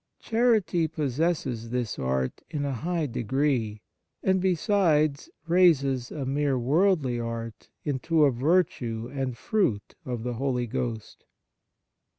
Charity possesses this art in a high degree, and, besides, raises a mere worldly art into a virtue and fruit of the Holy Ghost.